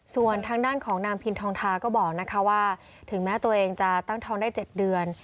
ส่วนทางด้านของนางพินทองทาก็บอกนะคะว่าถึงแม้ตัวเองจะตั้งท้องได้๗เดือน